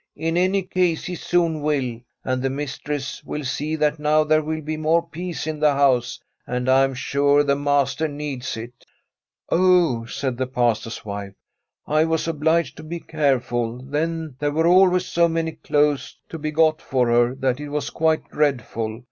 In any case he soon will. And the mistress will see that now there will be more peace in the house, and I am sure the master needs it.' ' Oh I ' said the Pastor's wife, ' I was obliged to be careful. There were always so many clothes to be got for her, that it was quite dread ful.